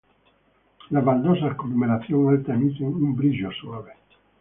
Las baldosas con numeración alta emiten un brillo suave.